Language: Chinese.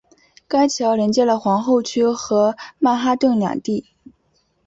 该桥连接了皇后区和曼哈顿两地。